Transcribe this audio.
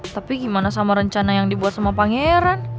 tapi gimana sama rencana yang dibuat sama pangeran